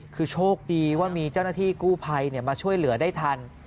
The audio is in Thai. คือโชคดีว่ามีเจ้าหน้าที่กู้ภัยมาช่วยเหลือได้ทัน